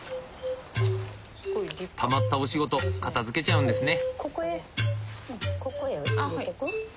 たまったお仕事片づけちゃうんですね。